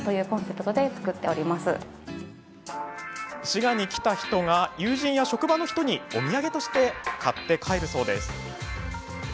滋賀に来た人が友人や職場の人にお土産として買って帰るそうです。